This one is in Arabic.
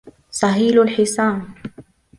صهيل الحصان